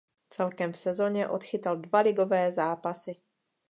Celkem v sezoně odchytal dva ligové zápasy.